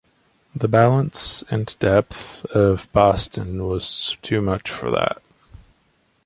The balance and depth of Boston was too much for that.